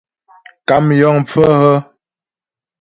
Kàm yəŋ pfə́ hə́ ?